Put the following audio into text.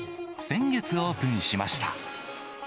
先月オープンしました。